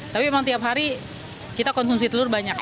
tapi memang tiap hari kita konsumsi telur banyak